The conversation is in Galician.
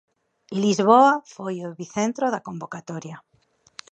Lisboa foi o epicentro da convocatoria.